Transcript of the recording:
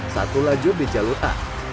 satu lajur di jalur a